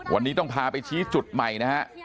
วันนี้ต้องพาไปชี้จุดใหม่นะฮะ